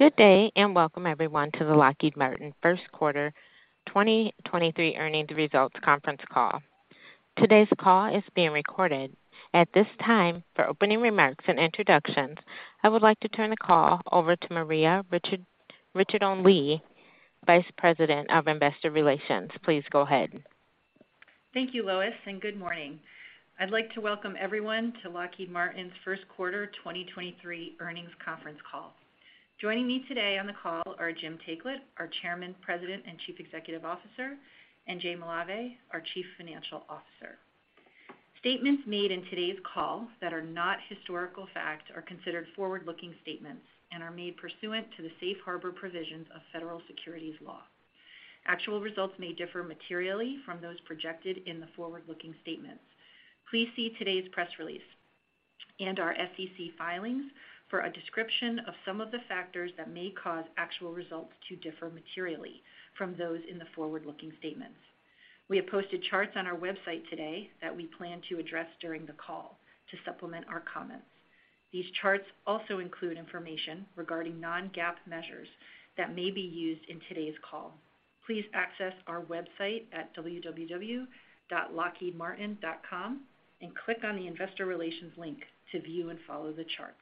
Good day, welcome everyone to the Lockheed Martin First Quarter 2023 Earnings Results Conference Call. Today's call is being recorded. At this time, for opening remarks and introductions, I would like to turn the call over to Maria Ricciardone Lee, Vice President of Investor Relations. Please go ahead. Thank you, Lois, and good morning. I'd like to welcome everyone to Lockheed Martin's first quarter 2023 earnings conference call. Joining me today on the call are Jim Taiclet, our Chairman, President, and Chief Executive Officer, and Jay Malave, our Chief Financial Officer. Statements made in today's call that are not historical facts are considered forward-looking statements and are made pursuant to the safe harbor provisions of federal securities law. Actual results may differ materially from those projected in the forward-looking statements. Please see today's press release and our SEC filings for a description of some of the factors that may cause actual results to differ materially from those in the forward-looking statements. We have posted charts on our website today that we plan to address during the call to supplement our comments. These charts also include information regarding non-GAAP measures that may be used in today's call. Please access our website at www.lockheedmartin.com and click on the Investor Relations link to view and follow the charts.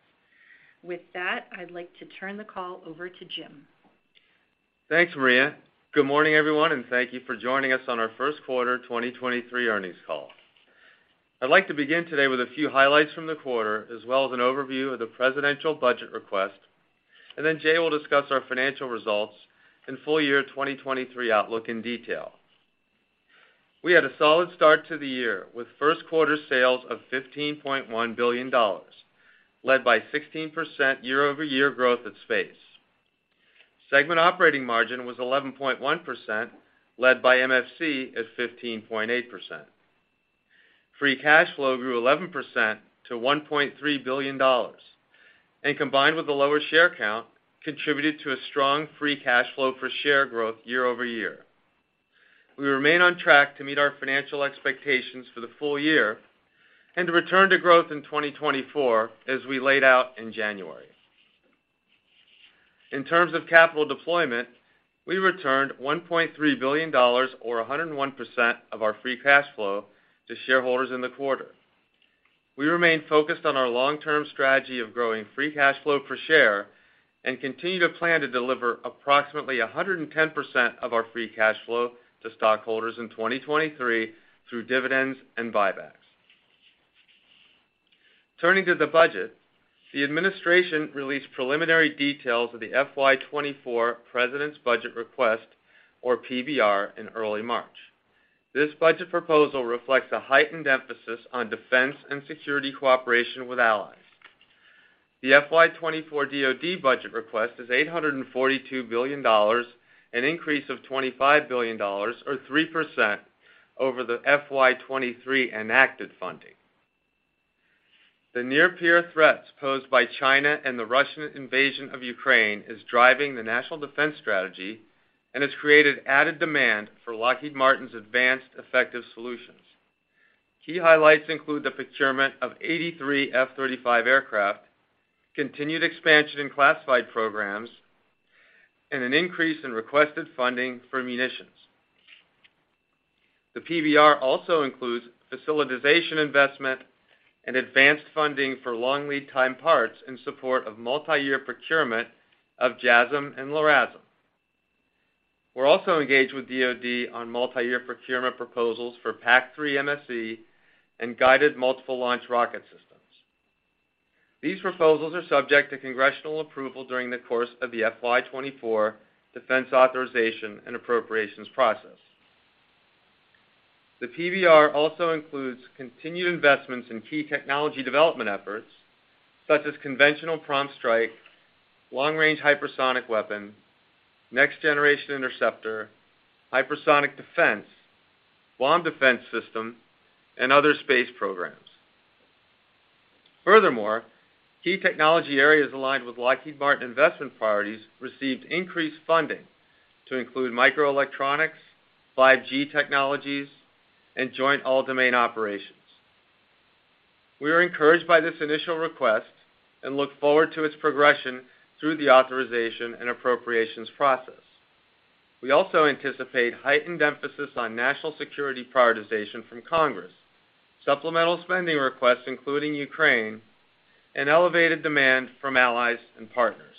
With that, I'd like to turn the call over to Jim. Thanks, Maria. Good morning, everyone. Thank you for joining us on our first quarter 2023 earnings call. I'd like to begin today with a few highlights from the quarter, as well as an overview of the presidential budget request. Jay will discuss our financial results and full year 2023 outlook in detail. We had a solid start to the year, with first quarter sales of $15.1 billion, led by 16% year-over-year growth at Space. Segment operating margin was 11.1%, led by MFC at 15.8%. Free cash flow grew 11% to $1.3 billion, combined with a lower share count, contributed to a strong free cash flow for share growth year-over-year. We remain on track to meet our financial expectations for the full year and to return to growth in 2024, as we laid out in January. In terms of capital deployment, we returned $1.3 billion or 101% of our free cash flow to shareholders in the quarter. We remain focused on our long-term strategy of growing free cash flow per share and continue to plan to deliver approximately 110% of our free cash flow to stockholders in 2023 through dividends and buybacks. Turning to the budget, the administration released preliminary details of the FY 2024 President's Budget Request, or PBR, in early March. This budget proposal reflects a heightened emphasis on defense and security cooperation with allies. The FY 2024 DoD budget request is $842 billion, an increase of $25 billion or 3% over the FY 2023 enacted funding. The near-peer threats posed by China and the Russian invasion of Ukraine is driving the national defense strategy and has created added demand for Lockheed Martin's advanced effective solutions. Key highlights include the procurement of 83 F-35 aircraft, continued expansion in classified programs, and an increase in requested funding for munitions. The PBR also includes facilitization investment and advanced funding for long lead time parts in support of multi-year procurement of JASSM and LRASM. We're also engaged with DoD on multi-year procurement proposals for PAC-3 MSE and Guided Multiple Launch Rocket Systems. These proposals are subject to congressional approval during the course of the FY 2024 defense authorization and appropriations process. The PBR also includes continued investments in key technology development efforts, such as Conventional Prompt Strike, Long-Range Hypersonic Weapon, Next Generation Interceptor, hypersonic defense, boost defense system, and other space programs. Furthermore, key technology areas aligned with Lockheed Martin investment priorities received increased funding to include microelectronics, 5G technologies, and joint all-domain operations. We are encouraged by this initial request and look forward to its progression through the authorization and appropriations process. We also anticipate heightened emphasis on national security prioritization from Congress, supplemental spending requests, including Ukraine, and elevated demand from allies and partners.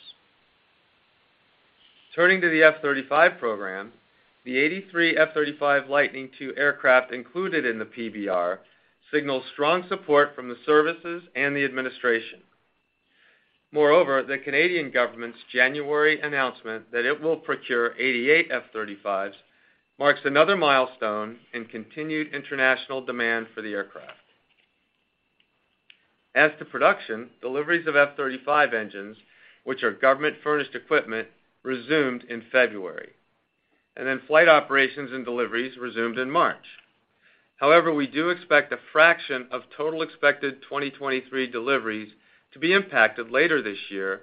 Turning to the F-35 program, the 83 F-35 Lightning II aircraft included in the PBR signals strong support from the services and the administration. Moreover, the Canadian government's January announcement that it will procure 88 F-35s marks another milestone in continued international demand for the aircraft. As to production, deliveries of F-35 engines, which are government-furnished equipment, resumed in February. Flight operations and deliveries resumed in March. However, we do expect a fraction of total expected 2023 deliveries to be impacted later this year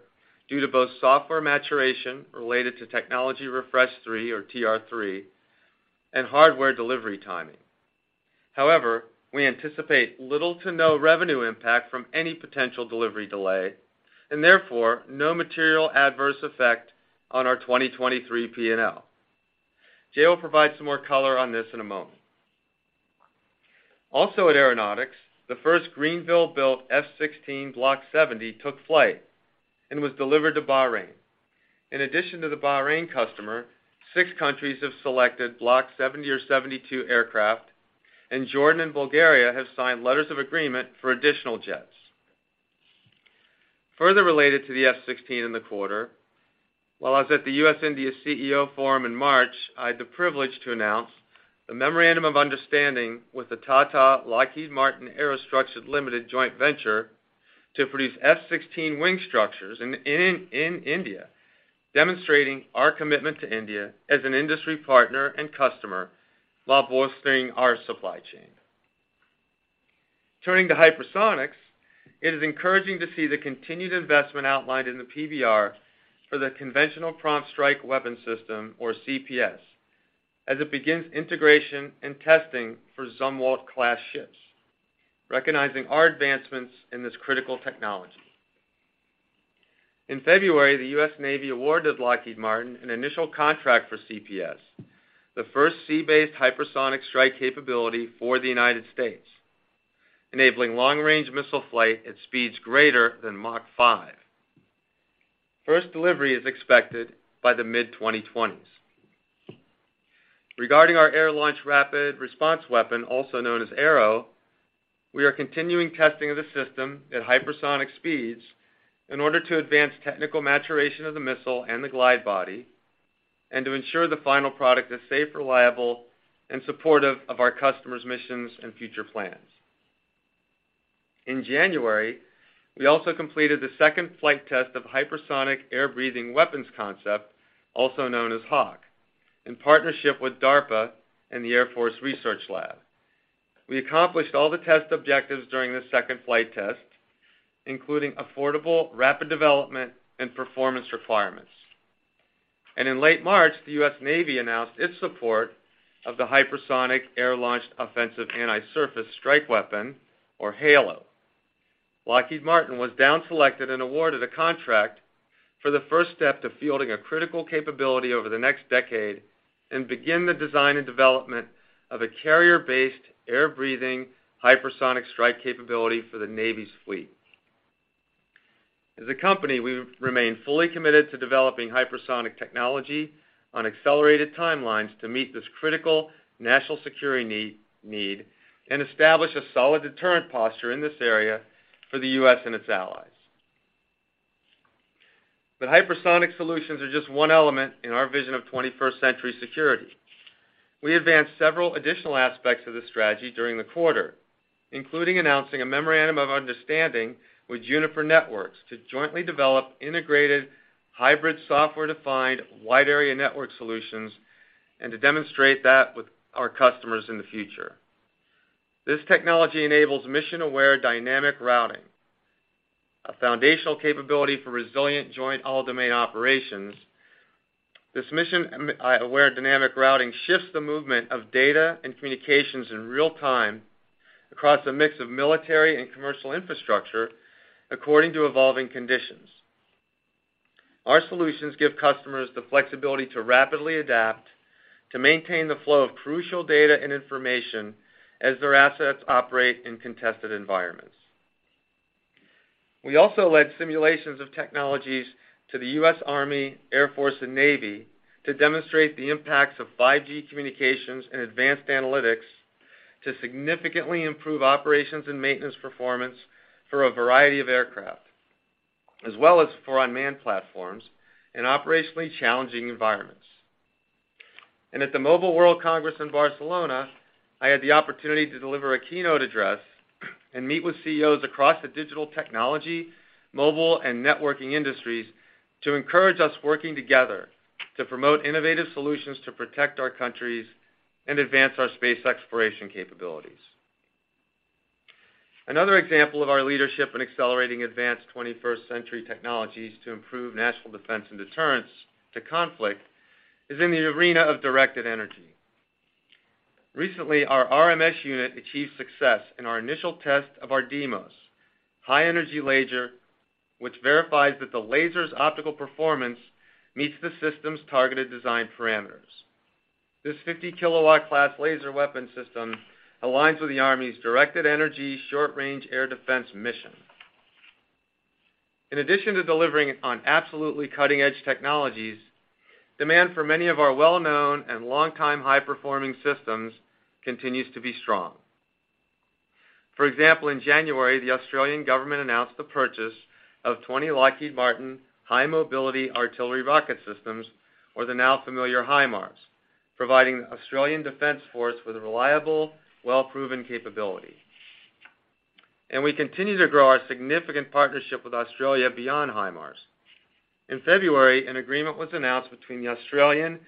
due to both software maturation related to Technology Refresh 3 or TR-3 and hardware delivery timing. However, we anticipate little to no revenue impact from any potential delivery delay, and therefore, no material adverse effect on our 2023 P&L. Jay will provide some more color on this in a moment. Also at Aeronautics, the first Greenville-built F-16 Block 70 took flight and was delivered to Bahrain. In addition to the Bahrain customer, six countries have selected Block 70 or 72 aircraft, and Jordan and Bulgaria have signed letters of agreement for additional jets. Further related to the F-16 in the quarter, while I was at the U.S.-India CEO Forum in March, I had the privilege to announce the memorandum of understanding with the Tata Lockheed Martin Aerostructures Limited joint venture to produce F-16 wing structures in India, demonstrating our commitment to India as an industry partner and customer while bolstering our supply chain. Turning to hypersonics, it is encouraging to see the continued investment outlined in the PBR for the Conventional Prompt Strike weapon system, or CPS, as it begins integration and testing for Zumwalt-class ships, recognizing our advancements in this critical technology. In February, the U.S. Navy awarded Lockheed Martin an initial contract for CPS, the first sea-based hypersonic strike capability for the United States, enabling long-range missile flight at speeds greater than Mach 5. First delivery is expected by the mid-2020s. Regarding our Air-launched Rapid Response Weapon, also known as ARRW, we are continuing testing of the system at hypersonic speeds in order to advance technical maturation of the missile and the glide body, and to ensure the final product is safe, reliable, and supportive of our customers' missions and future plans. In January, we also completed the second flight test of Hypersonic Air-breathing Weapon Concept, also known as HAWC, in partnership with DARPA and the Air Force Research Laboratory. We accomplished all the test objectives during this second flight test, including affordable, rapid development and performance requirements. In late March, the U.S. Navy announced its support of the Hypersonic Air Launched Offensive Anti-Surface, or HALO. Lockheed Martin was down selected and awarded a contract for the first step to fielding a critical capability over the next decade and begin the design and development of a carrier-based air-breathing hypersonic strike capability for the Navy's fleet. As a company, we remain fully committed to developing hypersonic technology on accelerated timelines to meet this critical national security need and establish a solid deterrent posture in this area for the U.S. and its allies. Hypersonic solutions are just one element in our vision of 21st-century security. We advanced several additional aspects of this strategy during the quarter, including announcing a memorandum of understanding with Juniper Networks to jointly develop integrated hybrid software-defined wide area network solutions and to demonstrate that with our customers in the future. This technology enables mission-aware dynamic routing, a foundational capability for resilient joint all-domain operations. This mission aware dynamic routing shifts the movement of data and communications in real time across a mix of military and commercial infrastructure according to evolving conditions. Our solutions give customers the flexibility to rapidly adapt, to maintain the flow of crucial data and information as their assets operate in contested environments. We also led simulations of technologies to the U.S. Army, U.S. Air Force, and U.S. Navy to demonstrate the impacts of 5G communications and advanced analytics to significantly improve operations and maintenance performance for a variety of aircraft, as well as for unmanned platforms in operationally challenging environments. At the Mobile World Congress in Barcelona, I had the opportunity to deliver a keynote address and meet with CEOs across the digital technology, mobile, and networking industries to encourage us working together to promote innovative solutions to protect our countries and advance our space exploration capabilities. Another example of our leadership in accelerating advanced 21st century technologies to improve national defense and deterrence to conflict is in the arena of directed energy. Recently, our RMS unit achieved success in our initial test of our DEIMOS high-energy laser, which verifies that the laser's optical performance meets the system's targeted design parameters. This 50 kW class laser weapon system aligns with the Army's directed energy short-range air defense mission. In addition to delivering on absolutely cutting-edge technologies, demand for many of our well-known and longtime high-performing systems continues to be strong. For example, in January, the Australian government announced the purchase of 20 Lockheed Martin High Mobility Artillery Rocket Systems, or the now familiar HIMARS, providing Australian Defence Force with a reliable, well-proven capability. We continue to grow our significant partnership with Australia beyond HIMARS. In February, an agreement was announced between the Australian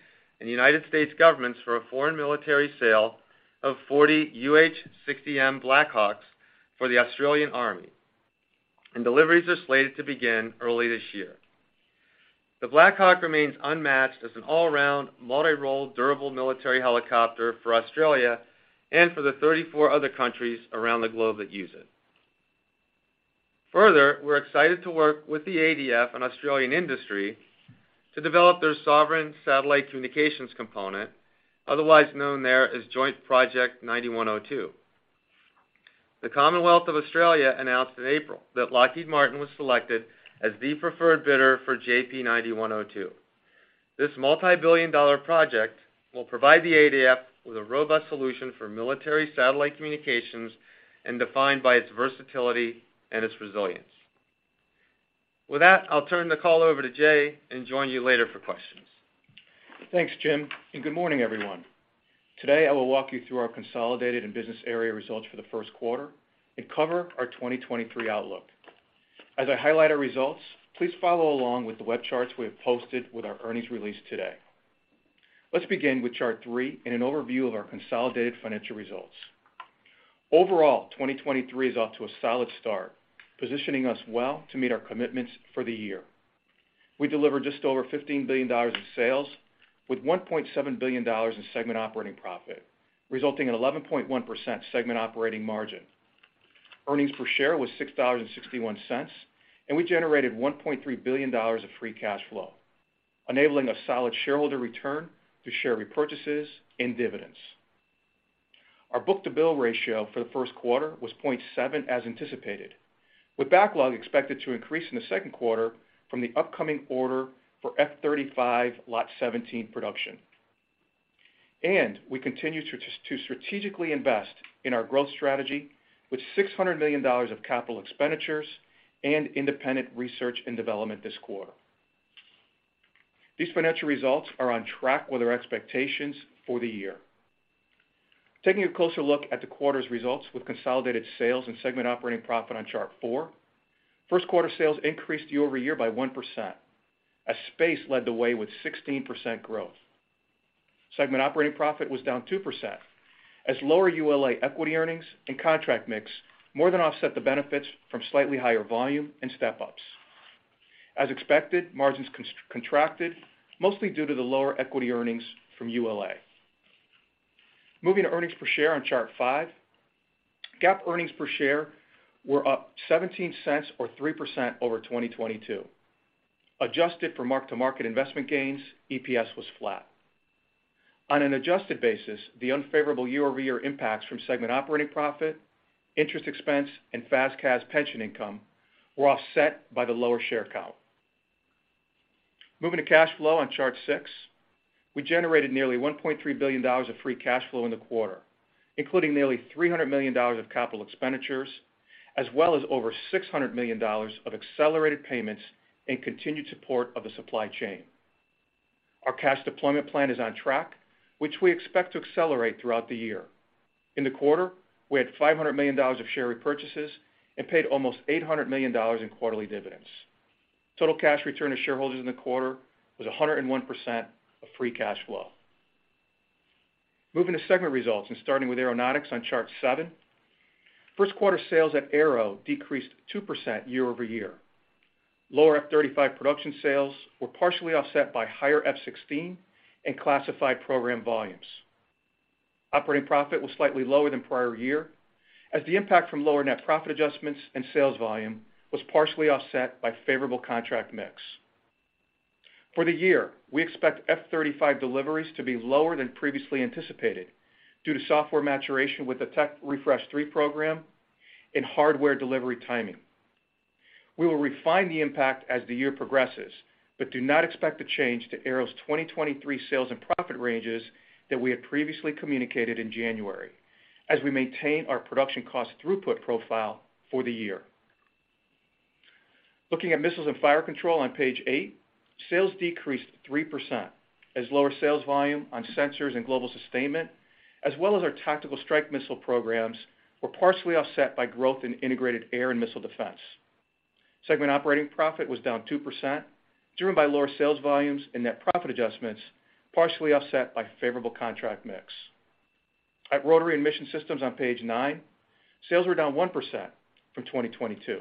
and U.S. governments for a foreign military sale of 40 UH-60M Black Hawks for the Australian Army, and deliveries are slated to begin early this year. The Black Hawk remains unmatched as an all-round, multi-role, durable military helicopter for Australia and for the 34 other countries around the globe that use it. Further, we're excited to work with the ADF and Australian industry to develop their sovereign satellite communications component, otherwise known there as Joint Project 9102. The Commonwealth of Australia announced in April that Lockheed Martin was selected as the preferred bidder for JP 9102. This multi-billion dollar project will provide the ADF with a robust solution for military satellite communications, and defined by its versatility and its resilience. With that, I'll turn the call over to Jay Malave and join you later for questions. Thanks, Jim. Good morning, everyone. Today, I will walk you through our consolidated and business area results for the first quarter and cover our 2023 outlook. As I highlight our results, please follow along with the web charts we have posted with our earnings release today. Let's begin with chart three and an overview of our consolidated financial results. Overall, 2023 is off to a solid start, positioning us well to meet our commitments for the year. We delivered just over $15 billion in sales with $1.7 billion in segment operating profit, resulting in 11.1% segment operating margin. Earnings per share was $6.61, and we generated $1.3 billion of free cash flow, enabling a solid shareholder return through share repurchases and dividends. Our book-to-bill ratio for the first quarter was 0.7 as anticipated, with backlog expected to increase in the second quarter from the upcoming order for F-35 Lot 17 production. We continue to strategically invest in our growth strategy with $600 million of capital expenditures and independent research and development this quarter. These financial results are on track with our expectations for the year. Taking a closer look at the quarter's results with consolidated sales and segment operating profit on Chart four, first quarter sales increased year-over-year by 1%, as Space led the way with 16% growth. Segment operating profit was down 2%, as lower ULA equity earnings and contract mix more than offset the benefits from slightly higher volume and step-ups. As expected, margins contracted, mostly due to the lower equity earnings from ULA. Moving to earnings per share on Chart five, GAAP earnings per share were up $0.17 or 3% over 2022. Adjusted for mark-to-market investment gains, EPS was flat. On an adjusted basis, the unfavorable year-over-year impacts from segment operating profit, interest expense, and FAS/CAS pension income were offset by the lower share count. Moving to cash flow on Chart six, we generated nearly $1.3 billion of free cash flow in the quarter, including nearly $300 million of capital expenditures, as well as over $600 million of accelerated payments in continued support of the supply chain. Our cash deployment plan is on track, which we expect to accelerate throughout the year. In the quarter, we had $500 million of share repurchases and paid almost $800 million in quarterly dividends. Total cash return to shareholders in the quarter was 101% of free cash flow. Moving to segment results and starting with Aeronautics on Chart seven, first quarter sales at Aero decreased 2% year-over-year. Lower F-35 production sales were partially offset by higher F-16 and classified program volumes. Operating profit was slightly lower than prior year, as the impact from lower net profit adjustments and sales volume was partially offset by favorable contract mix. For the year, we expect F-35 deliveries to be lower than previously anticipated due to software maturation with the Tech Refresh 3 program and hardware delivery timing. We will refine the impact as the year progresses, but do not expect a change to Aero's 2023 sales and profit ranges that we had previously communicated in January as we maintain our production cost throughput profile for the year. Looking at Missiles and Fire Control on page eight, sales decreased 3% as lower sales volume on sensors and global sustainment, as well as our tactical strike missile programs, were partially offset by growth in integrated air and missile defense. Segment operating profit was down 2%, driven by lower sales volumes and net profit adjustments, partially offset by favorable contract mix. At Rotary and Mission Systems on page nine, sales were down 1% from 2022,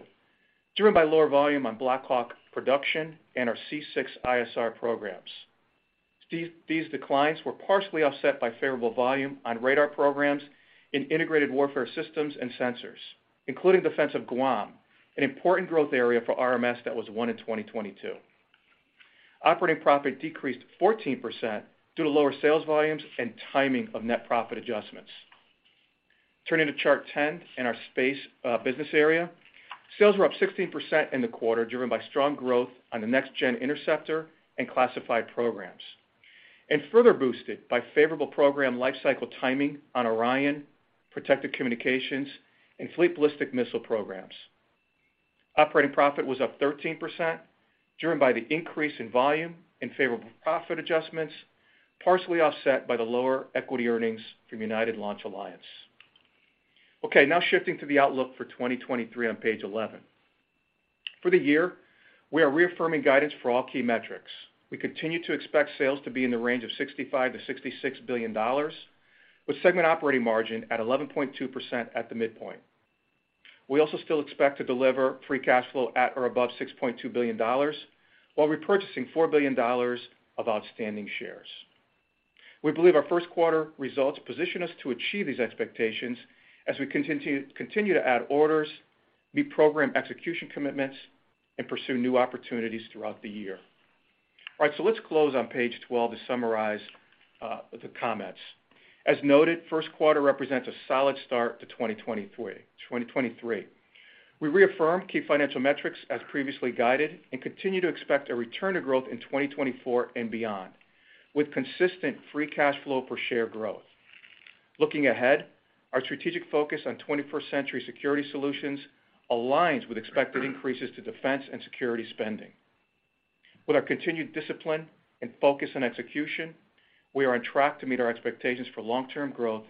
driven by lower volume on BLACK HAWK production and our C6ISR programs. These declines were partially offset by favorable volume on radar programs in Integrated Warfare Systems and Sensors, including Defense of Guam, an important growth area for RMS that was won in 2022. Operating profit decreased 14% due to lower sales volumes and timing of net profit adjustments. Turning to Chart 10 in our Space business area, sales were up 16% in the quarter, driven by strong growth on the Next Generation Interceptor and classified programs, and further boosted by favorable program lifecycle timing on Orion, protected communications, and Fleet Ballistic Missile programs. Operating profit was up 13%, driven by the increase in volume and favorable profit adjustments, partially offset by the lower equity earnings from United Launch Alliance. Now shifting to the outlook for 2023 on page 11. For the year, we are reaffirming guidance for all key metrics. We continue to expect sales to be in the range of $65 billion-$66 billion, with segment operating margin at 11.2% at the midpoint. We also still expect to deliver free cash flow at or above $6.2 billion while repurchasing $4 billion of outstanding shares. We believe our first quarter results position us to achieve these expectations as we continue to add orders, new program execution commitments, and pursue new opportunities throughout the year. Let's close on page 12 to summarize the comments. As noted, first quarter represents a solid start to 2023. We reaffirm key financial metrics as previously guided, continue to expect a return to growth in 2024 and beyond, with consistent free cash flow per share growth. Looking ahead, our strategic focus on 21st century security solutions aligns with expected increases to defense and security spending. With our continued discipline and focus on execution, we are on track to meet our expectations for long-term growth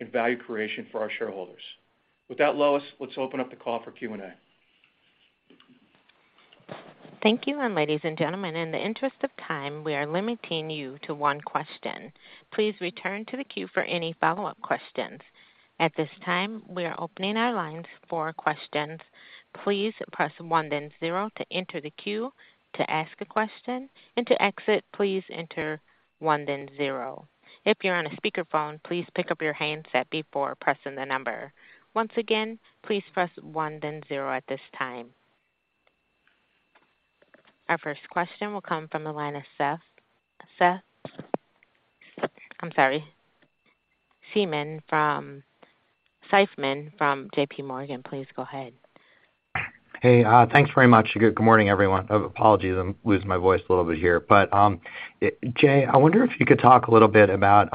and value creation for our shareholders. Lois, let's open up the call for Q&A. Thank you. Ladies and gentlemen, in the interest of time, we are limiting you to one question. Please return to the queue for any follow-up questions. At this time, we are opening our lines for questions. Please press one then zero to enter the queue to ask a question. To exit, please enter one then zero. If you're on a speakerphone, please pick up your handset before pressing the number. Once again, please press one then zero at this time. Our first question will come from the line of Seth. Seth? I'm sorry, Seth Seifman from JPMorgan, please go ahead. Hey, thanks very much. Good morning, everyone. Apologies, I'm losing my voice a little bit here. Jay, I wonder if you could talk a little bit about,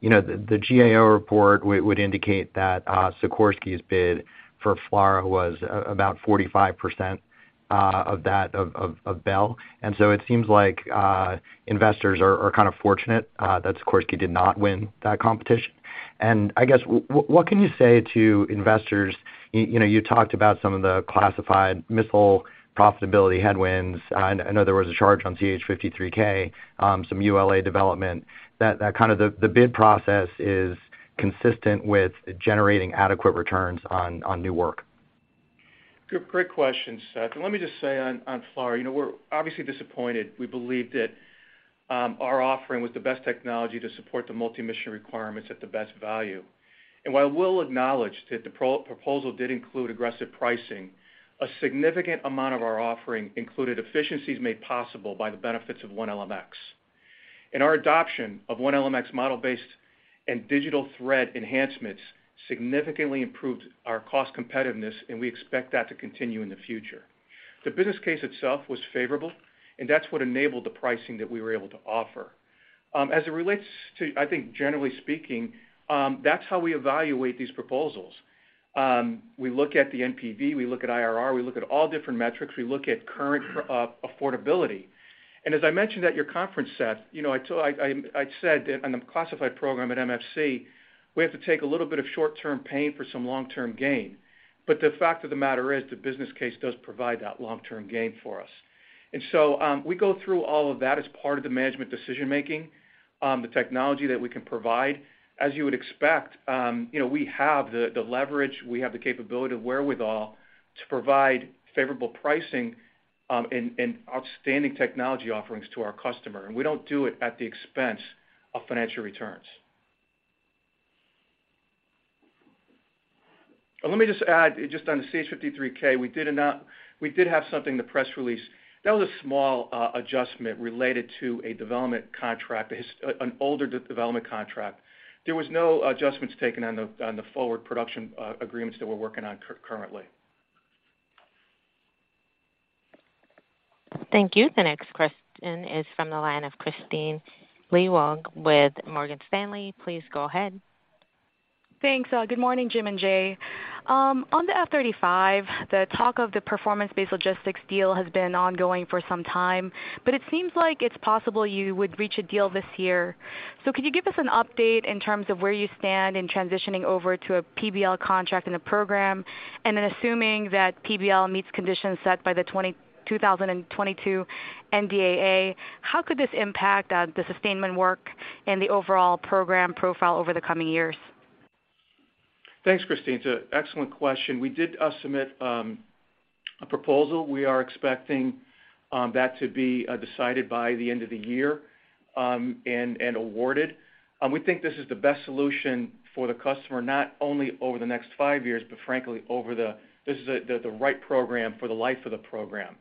you know, the GAO report would indicate that Sikorsky's bid for FLRAA was about 45% of that of Bell. It seems like investors are kind of fortunate that Sikorsky did not win that competition. I guess what can you say to investors? You know, you talked about some of the classified missile profitability headwinds. I know there was a charge on CH-53K, some ULA development, that kind of the bid process is consistent with generating adequate returns on new work. Good, great question, Seth. Let me just say on FLRAA, you know, we're obviously disappointed. We believe that our offering was the best technology to support the multi-mission requirements at the best value. While we'll acknowledge that the pro-proposal did include aggressive pricing, a significant amount of our offering included efficiencies made possible by the benefits of 1LMX. Our adoption of 1LMX model-based and digital thread enhancements significantly improved our cost competitiveness, and we expect that to continue in the future. The business case itself was favorable, and that's what enabled the pricing that we were able to offer. As it relates to, I think, generally speaking, that's how we evaluate these proposals. We look at the NPV, we look at IRR, we look at all different metrics, we look at current affordability. As I mentioned at your conference, Seth, you know, I said that on the classified program at MFC, we have to take a little bit of short-term pain for some long-term gain. The fact of the matter is the business case does provide that long-term gain for us. We go through all of that as part of the management decision-making, the technology that we can provide. As you would expect, you know, we have the leverage, we have the capability, the wherewithal to provide favorable pricing, and outstanding technology offerings to our customer. We don't do it at the expense of financial returns. Let me just add just on the CH-53K, We did have something in the press release. That was a small adjustment related to a development contract, an older development contract. There was no adjustments taken on the forward production agreements that we're working on currently. Thank you. The next question is from the line of Kristine Liwag with Morgan Stanley. Please go ahead. Thanks. Good morning, Jim and Jay. On the F-35, the talk of the performance-based logistics deal has been ongoing for some time, but it seems like it's possible you would reach a deal this year. Could you give us an update in terms of where you stand in transitioning over to a PBL contract in the program? Assuming that PBL meets conditions set by the 2022 NDAA, how could this impact the sustainment work and the overall program profile over the coming years? Thanks, Kristine. It's a excellent question. We did submit a proposal. We are expecting that to be decided by the end of the year and awarded. We think this is the best solution for the customer, not only over the next five years, but frankly, this is the right program for the life of the program.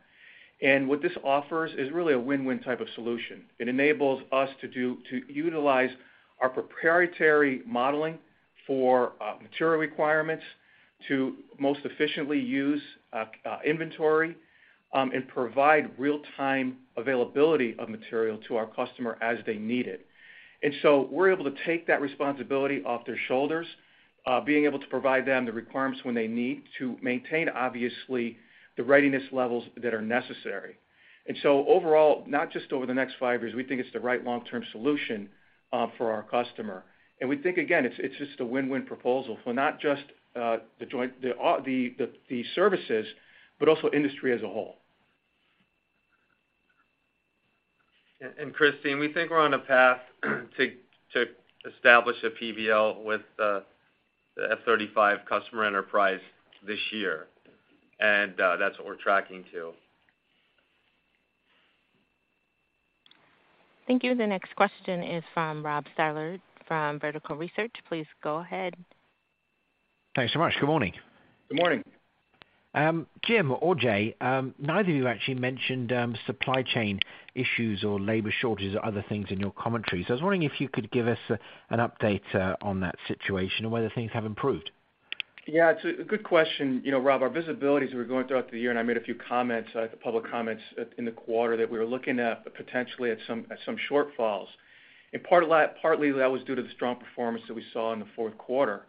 What this offers is really a win-win type of solution. It enables us to utilize our proprietary modeling for material requirements to most efficiently use inventory and provide real-time availability of material to our customer as they need it. We're able to take that responsibility off their shoulders, being able to provide them the requirements when they need to maintain, obviously, the readiness levels that are necessary. Overall, not just over the next five years, we think it's the right long-term solution for our customer. We think, again, it's just a win-win proposal for not just the joint services, but also industry as a whole. Kristine, we think we're on a path to establish a PBL with the F-35 customer enterprise this year. That's what we're tracking to. Thank you. The next question is from Rob Stallard from Vertical Research. Please go ahead. Thanks so much. Good morning. Good morning. Jim or Jay, neither of you actually mentioned supply chain issues or labor shortages or other things in your commentary. I was wondering if you could give us an update on that situation and whether things have improved. Yeah, it's a good question. You know, Rob, our visibility as we're going throughout the year, I made a few comments, public comments, in the quarter that we were looking at, potentially at some shortfalls. Partly that was due to the strong performance that we saw in the fourth quarter.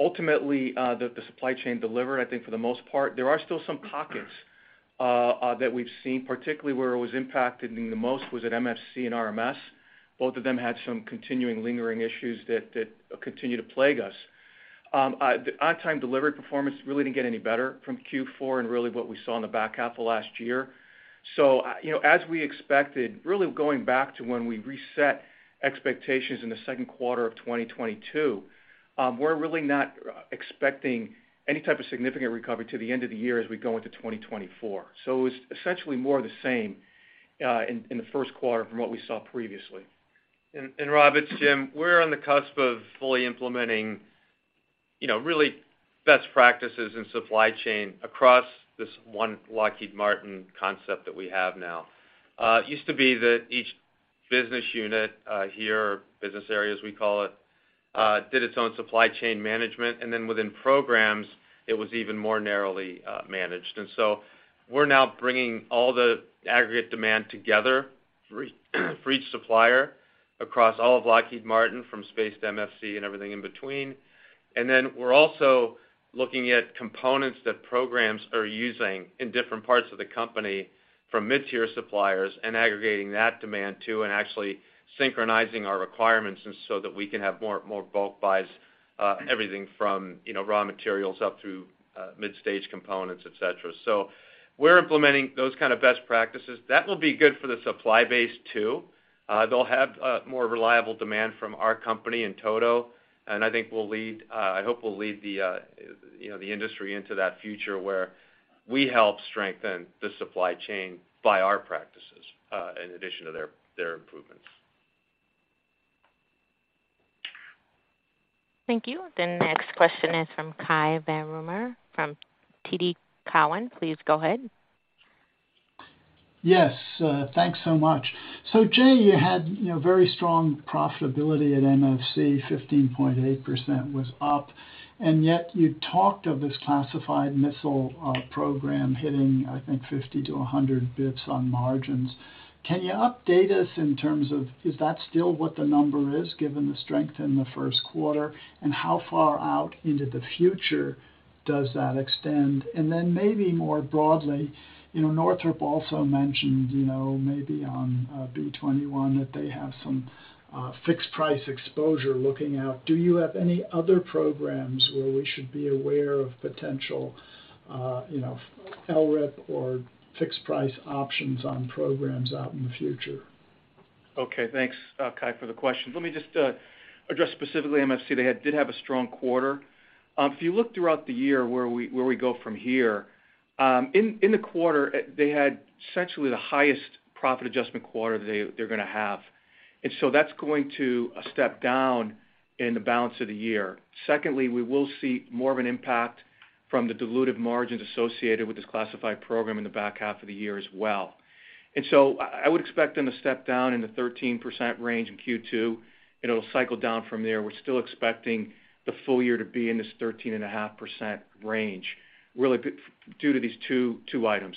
Ultimately, the supply chain delivered, I think, for the most part. There are still some pockets that we've seen, particularly where it was impacted the most was at MFC and RMS. Both of them had some continuing lingering issues that continue to plague us. The on-time delivery performance really didn't get any better from Q4 and really what we saw in the back half of last year. You know, as we expected, really going back to when we reset expectations in the second quarter of 2022, we're really not expecting any type of significant recovery to the end of the year as we go into 2024. It's essentially more the same, in the first quarter from what we saw previously. Rob, it's Jim. We're on the cusp of fully implementing, you know, really best practices in supply chain across this one Lockheed Martin concept that we have now. It used to be that each business unit, here, business areas, we call it, did its own supply chain management, and then within programs, it was even more narrowly managed. We're now bringing all the aggregate demand together for each supplier across all of Lockheed Martin from Space to MFC and everything in between. Then we're also looking at components that programs are using in different parts of the company from mid-tier suppliers and aggregating that demand too, and actually synchronizing our requirements and so that we can have more bulk buys, everything from, you know, raw materials up to mid-stage components, et cetera. We're implementing those kind of best practices. That will be good for the supply base too. They'll have more reliable demand from our company in toto, and I think we'll lead, I hope we'll lead the, you know, the industry into that future where we help strengthen the supply chain by our practices, in addition to their improvements. Thank you. The next question is from Cai von Rumohr from TD Cowen. Please go ahead. Thanks so much. Jay, you had, you know, very strong profitability at MFC, 15.8% was up, and yet you talked of this classified missile program hitting, I think, 50-100 basis points on margins. Can you update us in terms of is that still what the number is, given the strength in the first quarter, and how far out into the future does that extend? Maybe more broadly, you know, Northrop also mentioned, you know, maybe on B-21 that they have some fixed price exposure looking out. Do you have any other programs where we should be aware of potential, you know, LRIP or fixed price options on programs out in the future? Okay, thanks, Cai, for the question. Let me just address specifically MFC. They did have a strong quarter. If you look throughout the year where we, where we go from here, in the quarter, they had essentially the highest profit adjustment quarter they're gonna have. That's going to step down in the balance of the year. Secondly, we will see more of an impact from the dilutive margins associated with this classified program in the back half of the year as well. I would expect them to step down in the 13% range in Q2, and it'll cycle down from there. We're still expecting the full year to be in this 13.5% range, really due to these two items.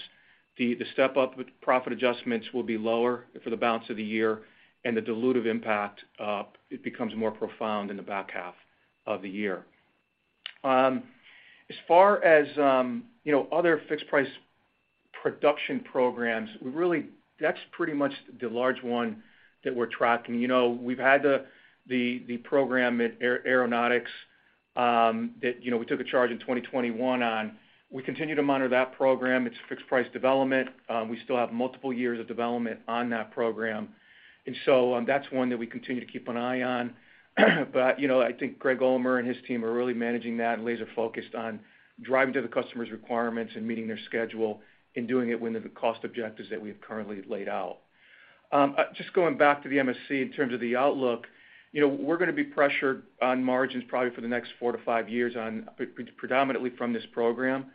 The step-up with profit adjustments will be lower for the balance of the year and the dilutive impact, it becomes more profound in the back half of the year. As far as, you know, other fixed price production programs, we really that's pretty much the large one that we're tracking. You know, we've had the program at Aeronautics, that, you know, we took a charge in 2021 on. We continue to monitor that program. It's fixed price development. We still have multiple years of development on that program. That's one that we continue to keep an eye on. You know, I think Greg Ulmer and his team are really managing that and laser-focused on driving to the customer's requirements and meeting their schedule and doing it within the cost objectives that we've currently laid out. Just going back to the MFC in terms of the outlook, you know, we're gonna be pressured on margins probably for the next 4-5 years predominantly from this program.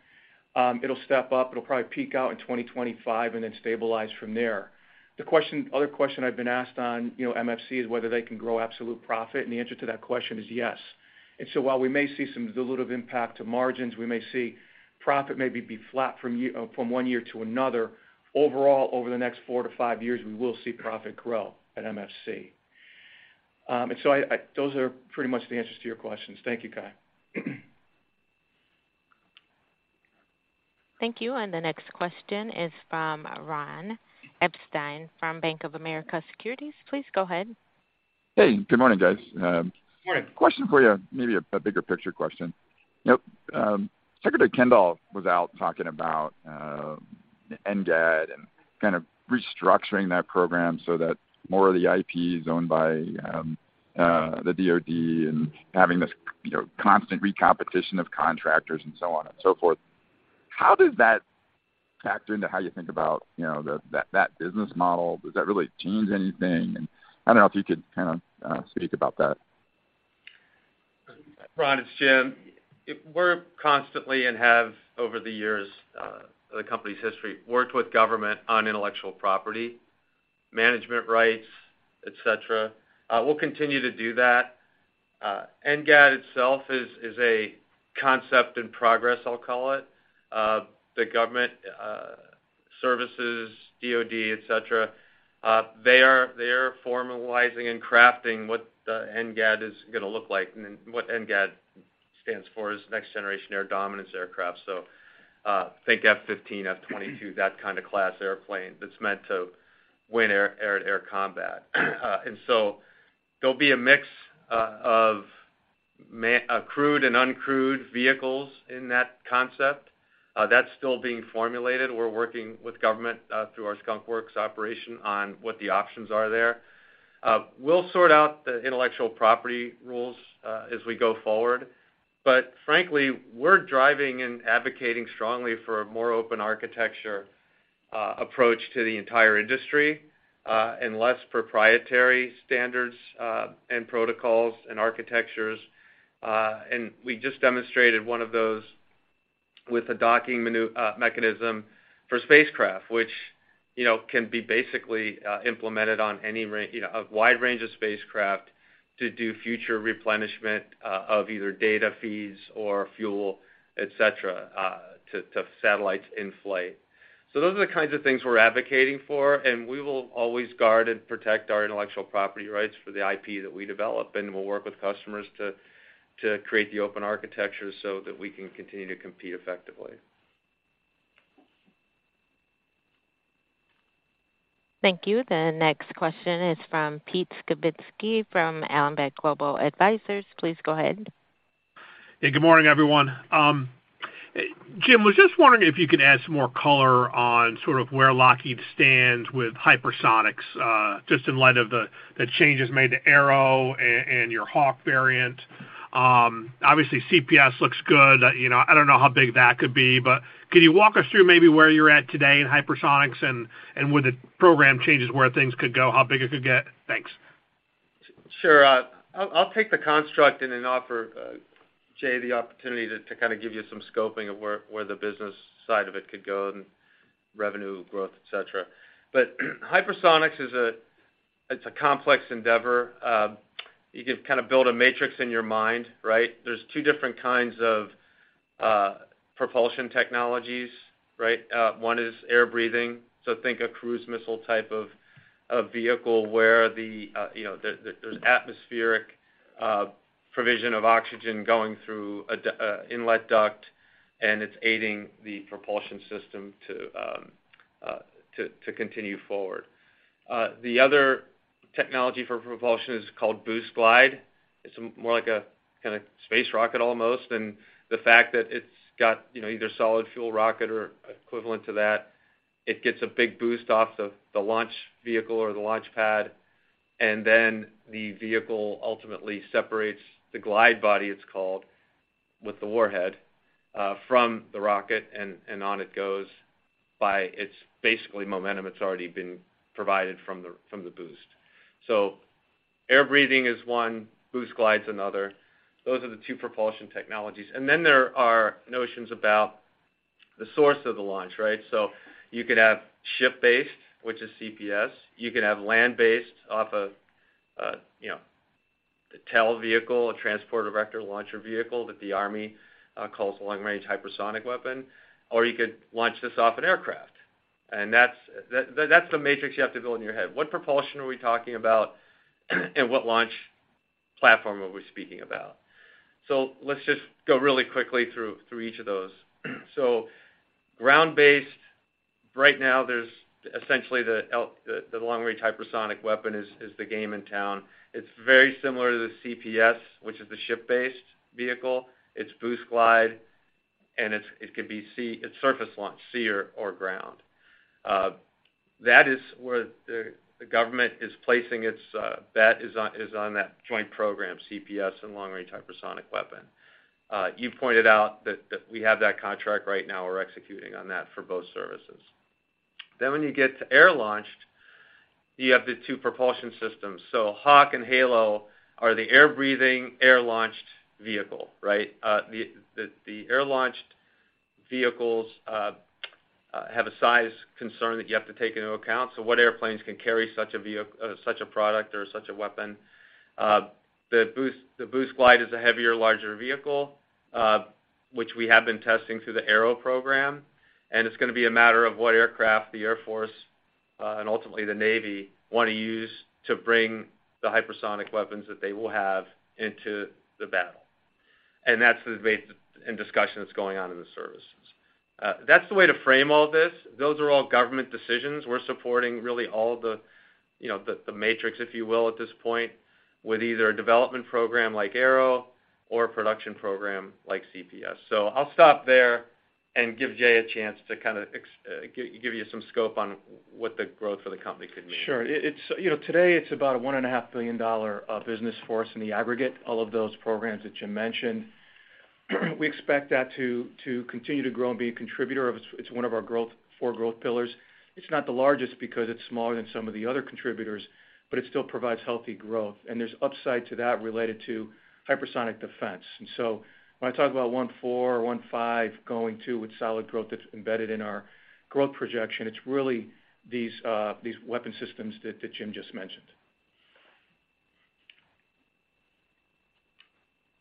It'll step up. It'll probably peak out in 2025 and then stabilize from there. The other question I've been asked on, you know, MFC is whether they can grow absolute profit, and the answer to that question is yes. While we may see some dilutive impact to margins, we may see profit maybe be flat from one year to another, overall, over the next 4-5 years, we will see profit grow at MFC. And so I, those are pretty much the answers to your questions. Thank you, Cai. Thank you. The next question is from Ron Epstein from Bank of America Securities. Please go ahead. Hey, good morning, guys. Good morning. Question for you. Maybe a bigger picture question. You know, Secretary Kendall was out talking about NGAD and kind of restructuring that program so that more of the IP is owned by the DoD and having this, you know, constant recompetition of contractors and so on and so forth. How does that factor into how you think about, you know, that business model? Does that really change anything? I don't know if you could kinda speak about that. Ron, it's Jim. We're constantly, and have over the years, the company's history, worked with government on intellectual property, management rights, et cetera. We'll continue to do that. NGAD itself is a concept in progress, I'll call it. The government, services, DoD, et cetera, they are, they are formalizing and crafting what the NGAD is gonna look like. What NGAD stands for is Next Generation Air Dominance aircraft. Think F-15, F-22, that kind of class airplane that's meant to win air to air combat. There'll be a mix of crewed and uncrewed vehicles in that concept. That's still being formulated. We're working with government through our Skunk Works operation on what the options are there. We'll sort out the intellectual property rules as we go forward, but frankly, we're driving and advocating strongly for a more open architecture approach to the entire industry and less proprietary standards and protocols and architectures. We just demonstrated one of those with a docking mechanism for spacecraft, which, you know, can be basically implemented on any, you know, a wide range of spacecraft to do future replenishment of either data feeds or fuel, et cetera, to satellites in flight. Those are the kinds of things we're advocating for, and we will always guard and protect our intellectual property rights for the IP that we develop, and we'll work with customers to create the open architecture so that we can continue to compete effectively. Thank you. The next question is from Pete Skibitski from Alembic Global Advisors. Please go ahead. Hey, good morning, everyone. Jim, was just wondering if you could add some more color on sort of where Lockheed stands with hypersonics, just in light of the changes made to ARRW and your HAWC variant. Obviously, CPS looks good. You know, I don't know how big that could be, but can you walk us through maybe where you're at today in hypersonics and with the program changes, where things could go, how big it could get? Thanks. Sure. I'll take the construct and then offer Jay the opportunity to kind of give you some scoping of where the business side of it could go and revenue growth, et cetera. Hypersonics is a complex endeavor. You could kind of build a matrix in your mind, right? There's two different kinds of propulsion technologies, right? One is air-breathing, so think a cruise missile type of a vehicle where, you know, the, there's atmospheric provision of oxygen going through a inlet duct, and it's aiding the propulsion system to continue forward. The other technology for propulsion is called boost-glide. It's more like a kinda space rocket almost. The fact that it's got, you know, either solid fuel rocket or equivalent to that, it gets a big boost off the launch vehicle or the launch pad, and then the vehicle ultimately separates the glide body, it's called, with the warhead from the rocket, and on it goes by its basically momentum it's already been provided from the boost. Air breathing is one, boost-glide is another. Those are the two propulsion technologies. Then there are notions about the source of the launch, right? You could have ship-based, which is CPS. You could have land-based off a, you know, a TEL vehicle, a transporter erector launcher vehicle that the U.S. Army calls a Long-Range Hypersonic Weapon, you could launch this off an aircraft. That's the matrix you have to build in your head. What propulsion are we talking about, and what launch platform are we speaking about? Let's just go really quickly through each of those. Ground-based, right now there's essentially the Long-Range Hypersonic Weapon is the game in town. It's very similar to the CPS, which is the ship-based vehicle. It's boost glide, and it could be surface launch, sea or ground. That is where the government is placing its bet is on that joint program, CPS and Long-Range Hypersonic Weapon. You pointed out that we have that contract right now. We're executing on that for both services. When you get to air-launched, you have the two propulsion systems. HAWC and HALO are the air-breathing, air-launched vehicle, right? The air-launched vehicles have a size concern that you have to take into account, so what airplanes can carry such a product or such a weapon. The boost-glide is a heavier, larger vehicle, which we have been testing through the Arrow program, and it's going to be a matter of what aircraft the Air Force and ultimately the Navy wanna use to bring the hypersonic weapons that they will have into the battle. That's the debate and discussion that's going on in the services. That's the way to frame all this. Those are all government decisions. We're supporting really all the, you know, the matrix, if you will, at this point, with either a development program like Arrow or a production program like CPS. I'll stop there and give Jay a chance to kind of give you some scope on what the growth for the company could mean. Sure. It, it's, you know, today it's about a one and a half billion dollar business for us in the aggregate, all of those programs that Jim mentioned. We expect that to continue to grow and be a contributor. It's one of our four growth pillars. It's not the largest because it's smaller than some of the other contributors, but it still provides healthy growth, and there's upside to that related to hypersonic defense. When I talk about 14% or 15% going 2% with solid growth that's embedded in our growth projection, it's really these weapon systems that Jim just mentioned.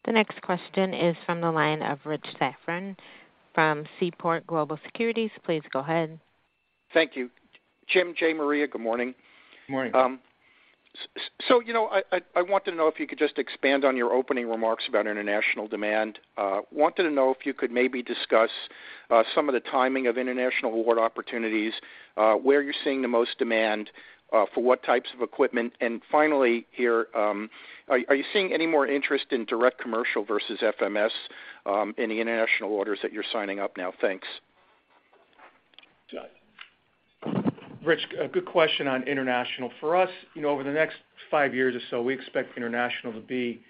The next question is from the line of Rich Safran from Seaport Global Securities. Please go ahead. Thank you. Jim, Jay, Maria, good morning. Morning. So, you know, I, I want to know if you could just expand on your opening remarks about international demand. Wanted to know if you could maybe discuss some of the timing of international award opportunities, where you're seeing the most demand for what types of equipment. And finally here, are you seeing any more interest in direct commercial versus FMS in the international orders that you're signing up now? Thanks. Rich, a good question on international. For us, you know, over the next five years or so, we expect international to be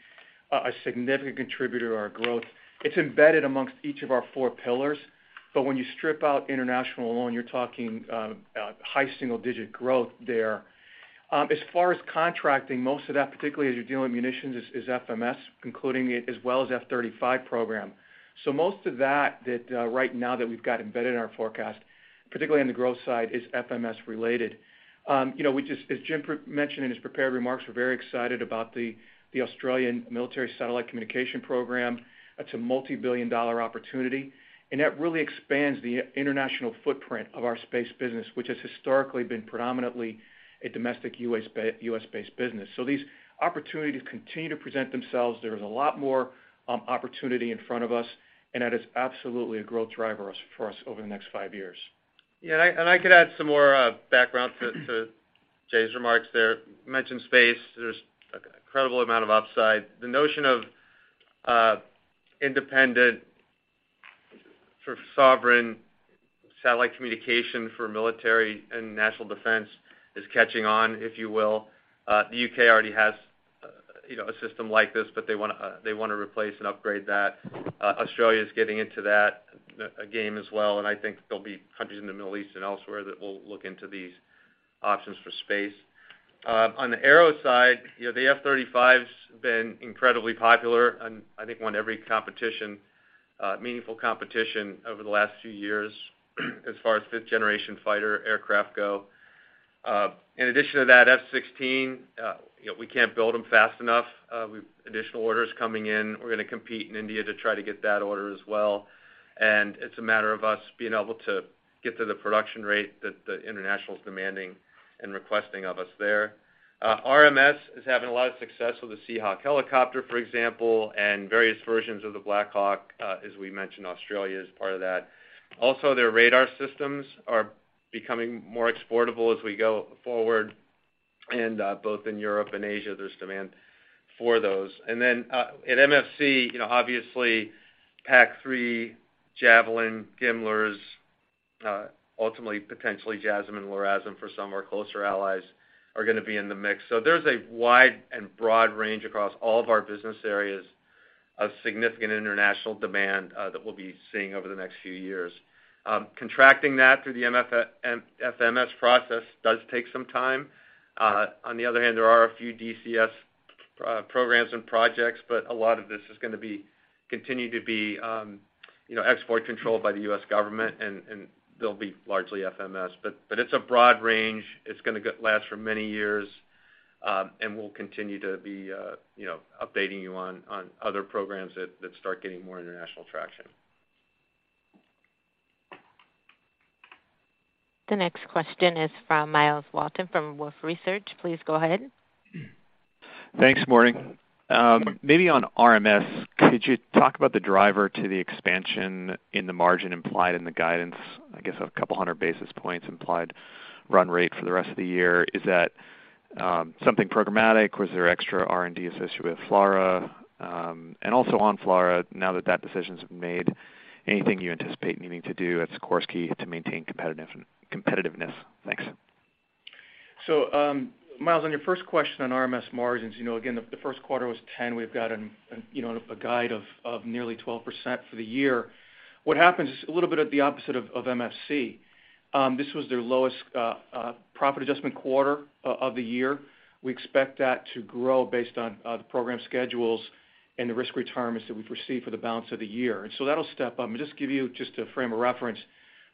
a significant contributor to our growth. It's embedded amongst each of our four pillars. When you strip out international alone, you're talking high single-digit growth there. As far as contracting, most of that, particularly as you're dealing with munitions is FMS, including as well as F-35 program. Most of that right now that we've got embedded in our forecast, particularly on the growth side, is FMS related. you know, as Jim mentioned in his prepared remarks, we're very excited about the Australian Military Satellite Communication Program. That's a multibillion-dollar opportunity, and that really expands the international footprint of our Space business, which has historically been predominantly a domestic U.S.-based business. These opportunities continue to present themselves. There is a lot more opportunity in front of us, and that is absolutely a growth driver for us over the next five years. Yeah. I could add some more background to Jay's remarks there. You mentioned Space. There's an incredible amount of upside. The notion of independent for sovereign satellite communication for military and national defense is catching on, if you will. The U.K. already has, you know, a system like this, but they wanna replace and upgrade that. Australia is getting into that game as well, and I think there'll be countries in the Middle East and elsewhere that will look into these options for Space. On the Aero side, you know, the F-35s have been incredibly popular, and I think won every competition, meaningful competition over the last few years as far as fifth-generation fighter aircraft go. In addition to that, F-16, you know, we can't build them fast enough. We've additional orders coming in. We're gonna compete in India to try to get that order as well. It's a matter of us being able to get to the production rate that the international is demanding and requesting of us there. RMS is having a lot of success with the Seahawk helicopter, for example, and various versions of the Black Hawk, as we mentioned, Australia is part of that. Also, their radar systems are becoming more exportable as we go forward. Both in Europe and Asia, there's demand for those. Then, at MFC, you know, obviously, PAC-3, Javelin, GMLRS, ultimately, potentially JASSM and LRASM for some of our closer allies are gonna be in the mix. There's a wide and broad range across all of our business areas of significant international demand that we'll be seeing over the next few years. Contracting that through the FMS process does take some time. On the other hand, there are a few DCS programs and projects, but a lot of this is gonna be, continue to be, you know, export controlled by the U.S. government, and they'll be largely FMS. It's a broad range. It's gonna last for many years, and we'll continue to be, you know, updating you on other programs that start getting more international traction. The next question is from Myles Walton from Wolfe Research. Please go ahead. Thanks. Morning. Maybe on RMS, could you talk about the driver to the expansion in the margin implied in the guidance, I guess, 200 basis points implied run rate for the rest of the year? Is that something programmatic? Was there extra R&D associated with FLRAA? Also on FLRAA, now that that decision's been made, anything you anticipate needing to do at Sikorsky to maintain competitiveness? Thanks. Myles, on your first question on RMS margins, you know, again, the first quarter was 10. We've got, you know, a guide of nearly 12% for the year. What happens is a little bit of the opposite of MFC. This was their lowest profit adjustment quarter of the year. We expect that to grow based on the program schedules and the risk retirements that we've received for the balance of the year. That'll step up. Just give you just a frame of reference,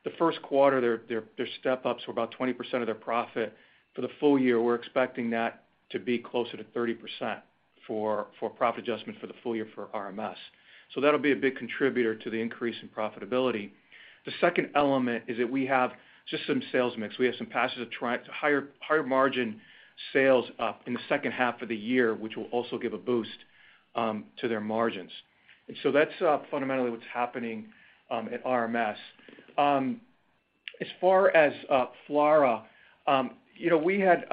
the first quarter, their step-ups were about 20% of their profit. For the full year, we're expecting that to be closer to 30% for profit adjustment for the full year for RMS. That'll be a big contributor to the increase in profitability. The second element is that we have just some sales mix. We have some passes of higher margin sales up in the second half of the year, which will also give a boost to their margins. That's fundamentally what's happening at RMS. As far as FLRA, you know, we had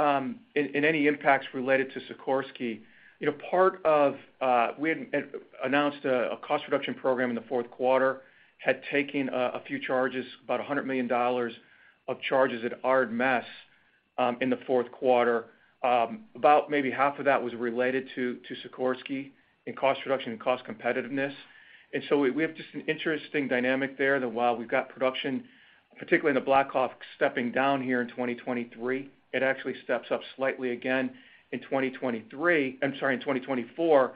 any impacts related to Sikorsky, you know, part of we had announced a cost reduction program in the fourth quarter, had taken a few charges, about $100 million of charges at RMS, in the fourth quarter. About maybe half of that was related to Sikorsky in cost reduction and cost competitiveness. We have just an interesting dynamic there that while we've got production, particularly in the BLACK HAWK stepping down here in 2023, it actually steps up slightly again in 2024,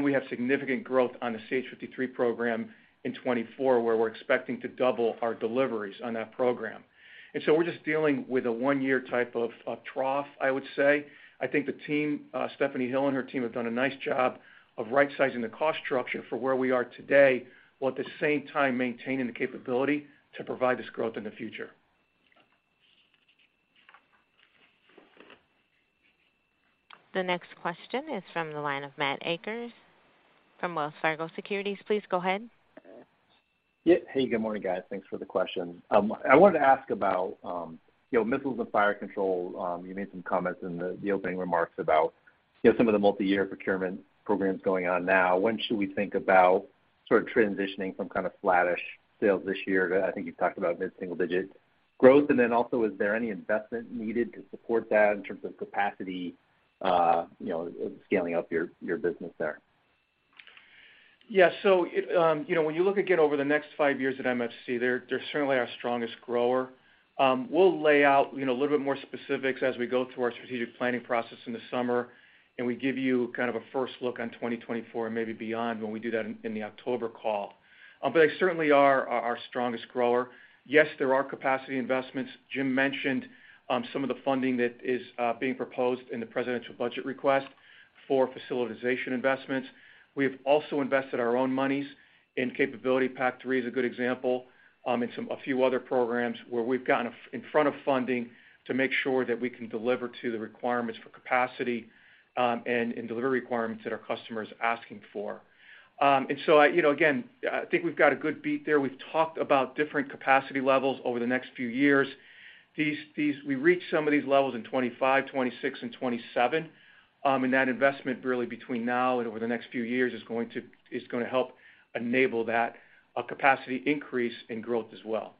we have significant growth on the CH-53 program in 2024, where we're expecting to double our deliveries on that program. We're just dealing with a one-year type of trough, I would say. I think the team, Stephanie Hill and her team, have done a nice job of rightsizing the cost structure for where we are today, while at the same time maintaining the capability to provide this growth in the future. The next question is from the line of Matt Akers from Wells Fargo Securities. Please go ahead. Hey, good morning, guys. Thanks for the question. I wanted to ask about, you know, Missiles and Fire Control. You made some comments in the opening remarks about, you know, some of the multiyear procurement programs going on now. When should we think about sort of transitioning from kind of flattish sales this year to, I think you've talked about mid-single digit growth? Is there any investment needed to support that in terms of capacity, you know, scaling up your business there? It, you know, when you look again over the next five years at MFC, they're certainly our strongest grower. We'll lay out, you know, a little bit more specifics as we go through our strategic planning process in the summer, and we give you kind of a first look on 2024 and maybe beyond when we do that in the October call. They certainly are our strongest grower. Yes, there are capacity investments. Jim mentioned some of the funding that is being proposed in the presidential budget request for facilitization investments. We have also invested our own monies, and capability PAC-3 is a good example, a few other programs where we've gotten in front of funding to make sure that we can deliver to the requirements for capacity, and delivery requirements that our customer is asking for. I, you know, again, I think we've got a good beat there. We've talked about different capacity levels over the next few years. We reach some of these levels in 2025, 2026 and 2027, and that investment really between now and over the next few years is going to, is gonna help enable that capacity increase in growth as well.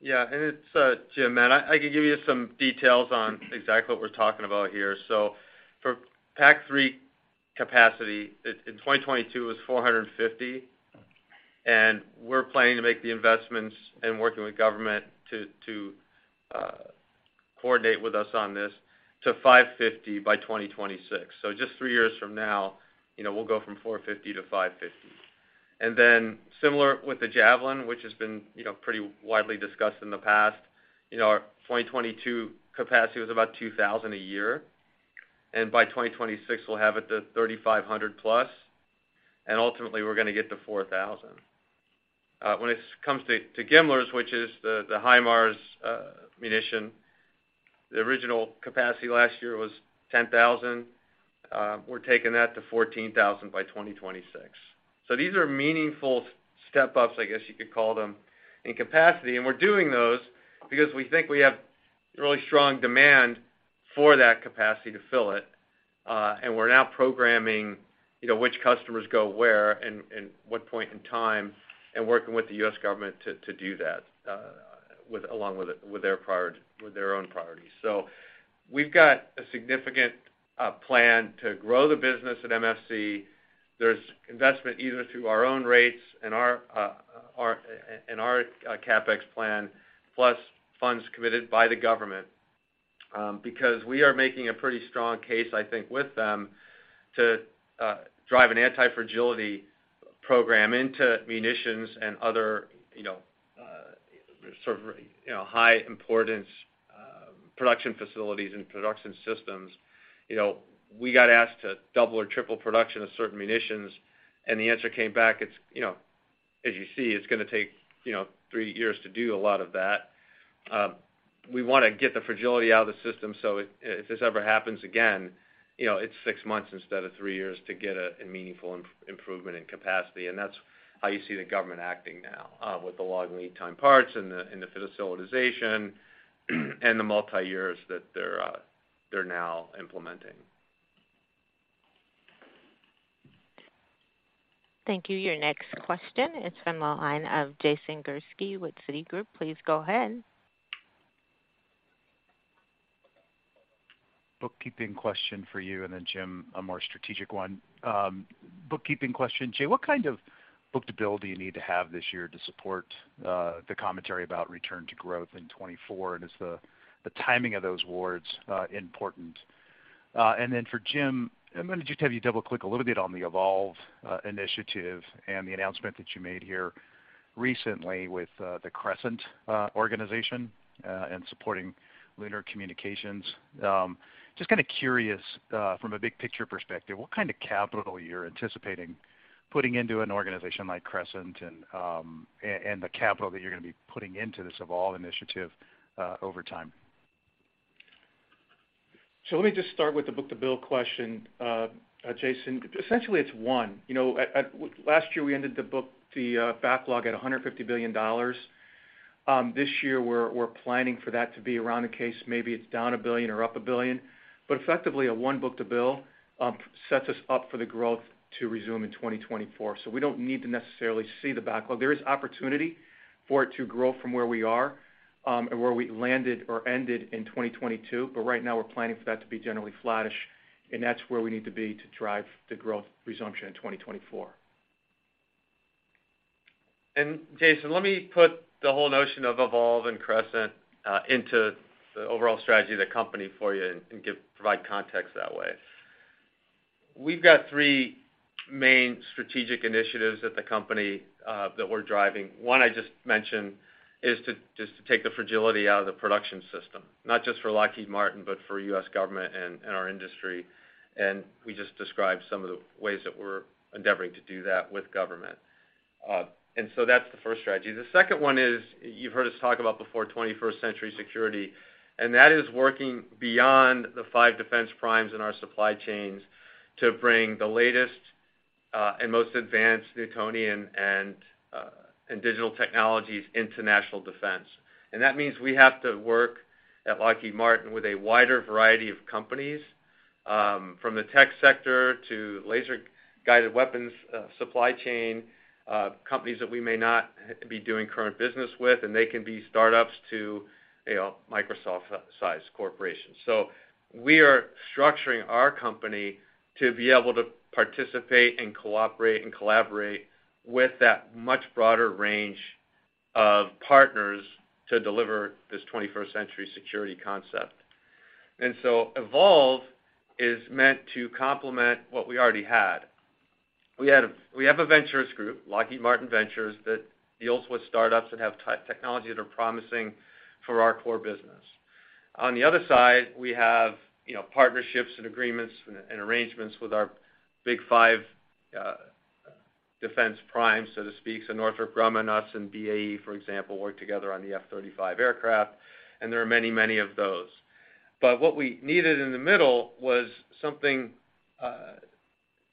Yeah. It's, Jim, Matt. I can give you some details on exactly what we're talking about here. For PAC-3 capacity, in 2022, it was 450. We're planning to make the investments and working with government to coordinate with us on this to 550 by 2026. Just three years from now, you know, we'll go from 450-550. Similar with the Javelin, which has been, you know, pretty widely discussed in the past, you know, our 2022 capacity was about 2,000 a year. By 2026, we'll have it to 3,500 plus, and ultimately, we're gonna get to 4,000. When it comes to GMLRS, which is the HIMARS munition, the original capacity last year was 10,000. We're taking that to 14,000 by 2026. These are meaningful step-ups, I guess, you could call them, in capacity, and we're doing those because we think we have really strong demand for that capacity to fill it. And we're now programming, you know, which customers go where and what point in time, and working with the U.S. government to do that along with their own priorities. We've got a significant plan to grow the business at MFC. There's investment either through our own rates and our, and our CapEx plan, plus funds committed by the government, because we are making a pretty strong case, I think, with them to drive an anti-fragility program into munitions and other, you know, sort of, you know, high importance production facilities and production systems. You know, we got asked to double or triple production of certain munitions, and the answer came back, it's, you know, as you see, it's gonna take, you know, three years to do a lot of that. We wanna get the fragility out of the system so if this ever happens again, you know, it's six months instead of three years to get a meaningful improvement in capacity. That's how you see the government acting now, with the long lead time parts and the facilitization, and the multiyears that they're now implementing. Thank you. Your next question is from the line of Jason Gursky with Citigroup. Please go ahead. Bookkeeping question for you, then Jim, a more strategic one. Bookkeeping question, Jay, what kind of book-to-bill do you need to have this year to support the commentary about return to growth in 2024? Is the timing of those awards important? Then for Jim, I'm going to just have you double-click a little bit on the eVolve initiative and the announcement that you made here recently with the Crescent organization and supporting Lunar Communications. Just kind of curious, from a big picture perspective, what kind of capital you're anticipating putting into an organization like Crescent and the capital that you're going to be putting into this eVolve initiative over time? Let me just start with the book-to-bill question, Jason. Essentially, it's one. You know, last year, we ended the backlog at $150 billion. This year, we're planning for that to be around the case, maybe it's down $1 billion or up $1 billion. Effectively, a one book-to-bill sets us up for the growth to resume in 2024. We don't need to necessarily see the backlog. There is opportunity for it to grow from where we are and where we landed or ended in 2022, right now we're planning for that to be generally flattish, and that's where we need to be to drive the growth resumption in 2024. Jason, let me put the whole notion of Evolve and Crescent into the overall strategy of the company for you and provide context that way. We've got three main strategic initiatives at the company that we're driving. One I just mentioned is to just take the fragility out of the production system, not just for Lockheed Martin, but for U.S. government and our industry, and we just described some of the ways that we're endeavoring to do that with government. That's the first strategy. The second one is, you've heard us talk about before, 21st Century Security, and that is working beyond the five defense primes in our supply chains to bring the latest and most advanced Newtonian and digital technologies into national defense. That means we have to work at Lockheed Martin with a wider variety of companies, from the tech sector to laser-guided weapons, supply chain companies that we may not be doing current business with, and they can be startups to, you know, Microsoft-sized corporations. We are structuring our company to be able to participate and cooperate and collaborate with that much broader range of partners to deliver this 21st century security concept. Evolve is meant to complement what we already had. We have a ventures group, Lockheed Martin Ventures, that deals with startups that have technology that are promising for our core business. On the other side, we have, you know, partnerships and agreements and arrangements with our big five defense primes, so to speak. Northrop Grumman, us, and BAE, for example, work together on the F-35 aircraft, and there are many of those. What we needed in the middle was something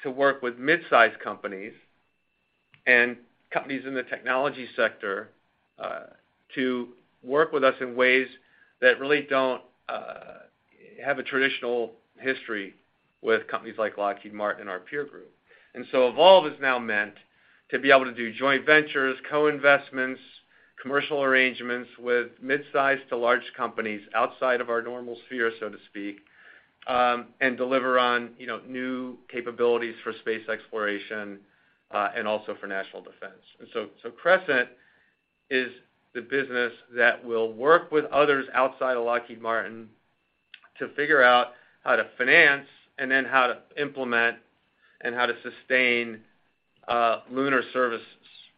to work with mid-size companies and companies in the technology sector to work with us in ways that really don't have a traditional history with companies like Lockheed Martin and our peer group. Evolve is now meant to be able to do joint ventures, co-investments, commercial arrangements with midsize to large companies outside of our normal sphere, so to speak, and deliver on, you know, new capabilities for space exploration and also for national defense. Crescent is the business that will work with others outside of Lockheed Martin to figure out how to finance and then how to implement and how to sustain lunar services,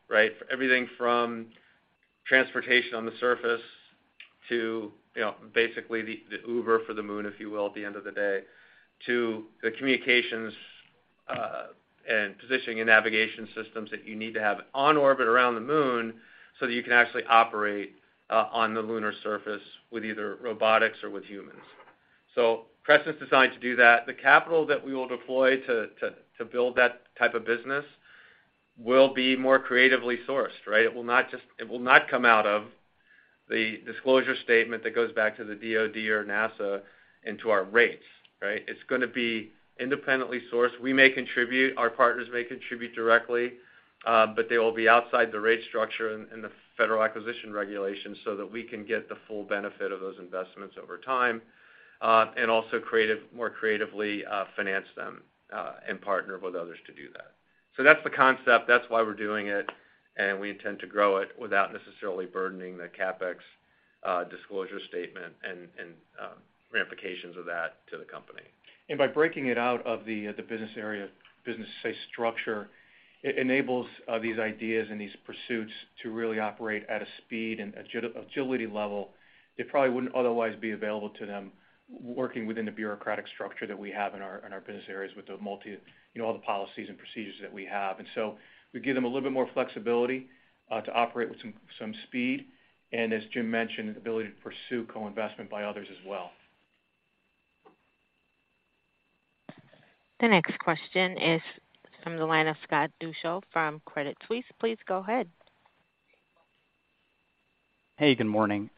right? Everything from transportation on the surface to, you know, basically the Uber for the moon, if you will, at the end of the day, to the communications, and positioning and navigation systems that you need to have on orbit around the moon so that you can actually operate on the lunar surface with either robotics or with humans. Crescent's designed to do that. The capital that we will deploy to build that type of business will be more creatively sourced, right? It will not come out of the disclosure statement that goes back to the DoD or NASA into our rates, right? It's gonna be independently sourced. We may contribute, our partners may contribute directly, but they will be outside the rate structure and the Federal Acquisition Regulation so that we can get the full benefit of those investments over time, and also more creatively finance them and partner with others to do that. That's the concept. That's why we're doing it, and we intend to grow it without necessarily burdening the CapEx disclosure statement and ramifications of that to the company. By breaking it out of the business area business structure, it enables these ideas and these pursuits to really operate at a speed and agility level that probably wouldn't otherwise be available to them working within the bureaucratic structure that we have in our business areas with the you know, all the policies and procedures that we have. We give them a little bit more flexibility to operate with some speed and as Jim mentioned, the ability to pursue co-investment by others as well. The next question is from the line of Scott Deuschle from Credit Suisse. Please go ahead. Hey, good morning. Morning.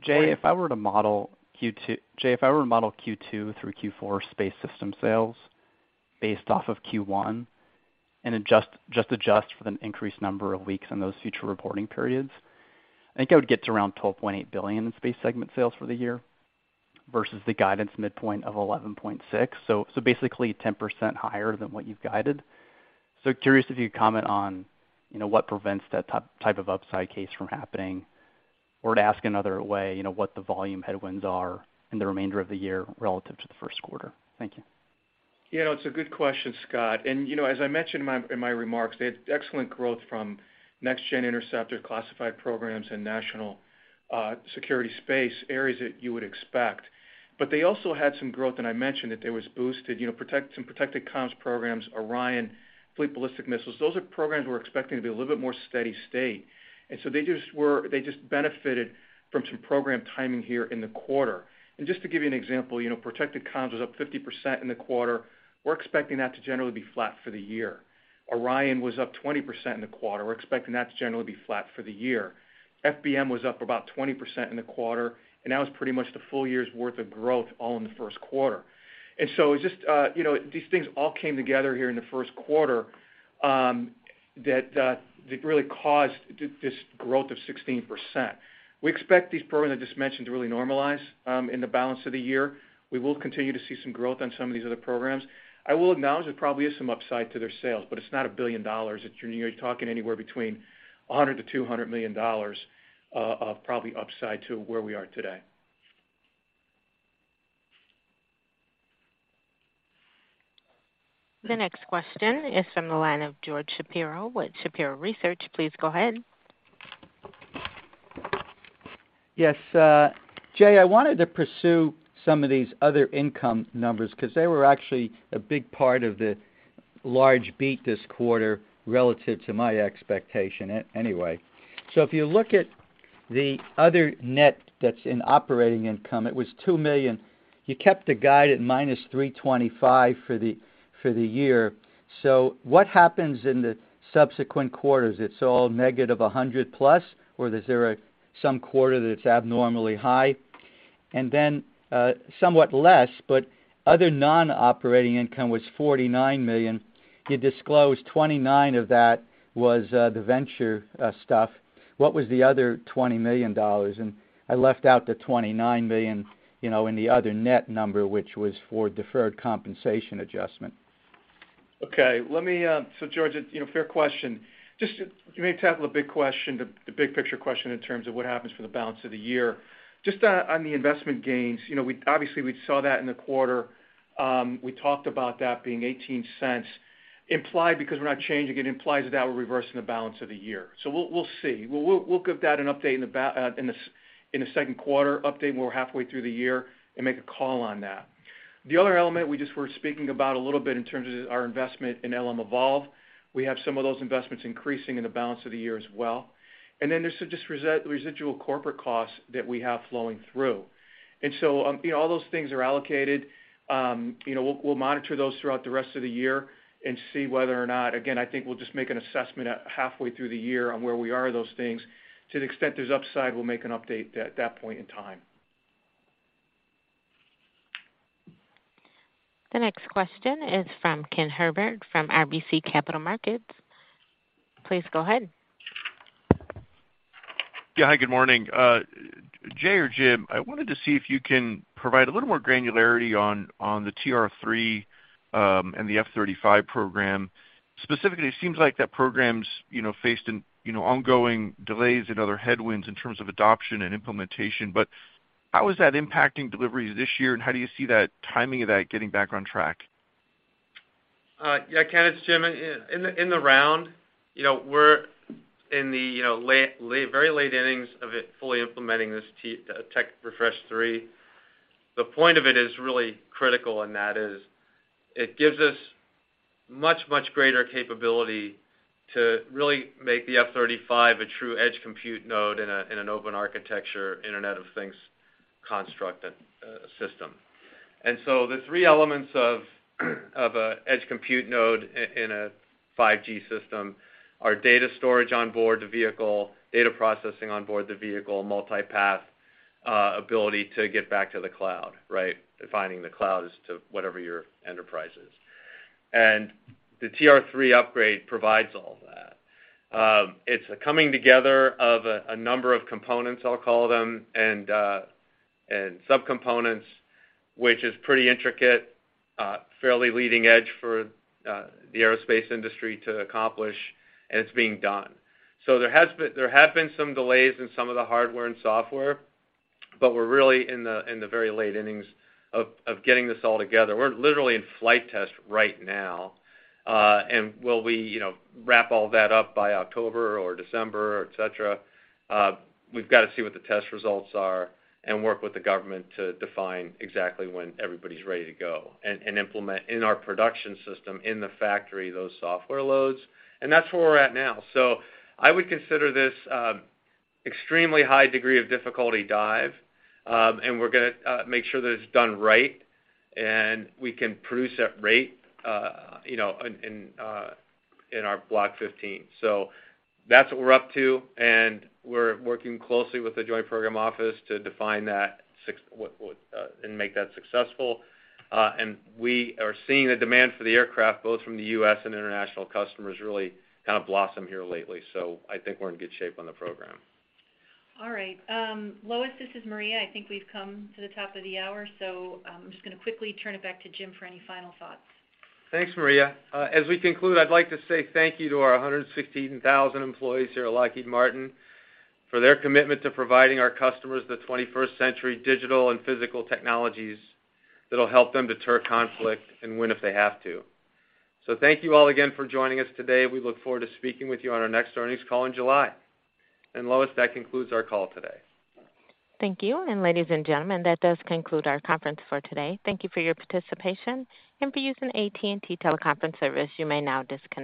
Jay, if I were to model Q2 through Q4 space system sales based off of Q1 and just adjust for the increased number of weeks in those future reporting periods, I think I would get to around $12.8 billion in space segment sales for the year versus the guidance midpoint of $11.6 billion. Basically 10% higher than what you've guided. Curious if you'd comment on, you know, what prevents that type of upside case from happening, or to ask another way, you know, what the volume headwinds are in the remainder of the year relative to the first quarter. Thank you. You know, it's a good question, Scott. You know, as I mentioned in my, in my remarks, they had excellent growth from Next Generation Interceptor classified programs and national security space, areas that you would expect. They also had some growth, and I mentioned that there was boosted, you know, protect, some protected comms programs, Orion, Fleet Ballistic Missile. Those are programs we're expecting to be a little bit more steady state. They just benefited from some program timing here in the quarter. Just to give you an example, you know, protected comms was up 50% in the quarter. We're expecting that to generally be flat for the year. Orion was up 20% in the quarter. We're expecting that to generally be flat for the year. FBM was up about 20% in the quarter, and that was pretty much the full year's worth of growth all in the first quarter. It just, you know, these things all came together here in the first quarter that really caused this growth of 16%. We expect these programs I just mentioned to really normalize in the balance of the year. We will continue to see some growth on some of these other programs. I will acknowledge there probably is some upside to their sales, but it's not $1 billion. It's, you're talking anywhere between $100 million-$200 million of probably upside to where we are today. The next question is from the line of George Shapiro with Shapiro Research. Please go ahead. Yes. Jay, I wanted to pursue some of these other income numbers 'cause they were actually a big part of the large beat this quarter relative to my expectation anyway. If you look at the other net that's in operating income, it was $2 million. You kept the guide at -$325 million for the year. What happens in the subsequent quarters? It's all negative $100 million plus, or is there a some quarter that's abnormally high? Then, somewhat less, but other non-operating income was $49 million. You disclosed $29 million of that was the venture stuff. What was the other $20 million? I left out the $29 million, you know, in the other net number, which was for deferred compensation adjustment. Let me, George, you know, fair question. Just to maybe tackle the big question, the big picture question in terms of what happens for the balance of the year. Just on the investment gains, you know, we obviously we saw that in the quarter. We talked about that being $0.18 implied because we're not changing it, implies that that will reverse in the balance of the year. We'll see. We'll give that an update in the second quarter update when we're halfway through the year and make a call on that. The other element we just were speaking about a little bit in terms of our investment in LM eVolve, we have some of those investments increasing in the balance of the year as well. There's just residual corporate costs that we have flowing through. You know, all those things are allocated. You know, we'll monitor those throughout the rest of the year and see whether or not, again, I think we'll just make an assessment at halfway through the year on where we are in those things. To the extent there's upside, we'll make an update at that point in time. The next question is from Ken Herbert from RBC Capital Markets. Please go ahead. Yeah. Hi, good morning. Jay or Jim, I wanted to see if you can provide a little more granularity on the TR-3 and the F-35 program. Specifically, it seems like that program's, you know, faced, you know, ongoing delays and other headwinds in terms of adoption and implementation. How is that impacting deliveries this year, and how do you see that timing of that getting back on track? Yeah, Ken, it's Jim. In the round, you know, we're in the, you know, very late innings of it, fully implementing this Tech Refresh 3. The point of it is really critical, and that is it gives us much, much greater capability to really make the F-35 a true edge compute node in an open architecture Internet of Things construct and system. The three elements of a edge compute node in a 5G system are data storage on board the vehicle, data processing on board the vehicle, multipath ability to get back to the cloud, right? Defining the cloud is to whatever your enterprise is. The TR-3 upgrade provides all that. It's a coming together of a number of components, I'll call them, and subcomponents, which is pretty intricate, fairly leading edge for the aerospace industry to accomplish, and it's being done. There have been some delays in some of the hardware and software, but we're really in the, in the very late innings of getting this all together. We're literally in flight test right now. Will we, you know, wrap all that up by October or December, et cetera? We've gotta see what the test results are and work with the government to define exactly when everybody's ready to go and implement in our production system in the factory, those software loads. That's where we're at now. I would consider this, extremely high degree of difficulty dive. We're gonna make sure that it's done right and we can produce at rate, you know, in our Lot 15. That's what we're up to, and we're working closely with the joint program office to define that and make that successful. We are seeing the demand for the aircraft both from the U.S. and international customers really kind of blossom here lately. I think we're in good shape on the program. All right. Lois, this is Maria. I think we've come to the top of the hour. I'm just gonna quickly turn it back to Jim for any final thoughts. Thanks, Maria. As we conclude, I'd like to say thank you to our 116,000 employees here at Lockheed Martin for their commitment to providing our customers the 21st century digital and physical technologies that'll help them deter conflict and win if they have to. Thank you all again for joining us today. We look forward to speaking with you on our next earnings call in July. Lois, that concludes our call today. Thank you. Ladies and gentlemen, that does conclude our conference for today. Thank you for your participation and for using AT&T Teleconference service. You may now disconnect.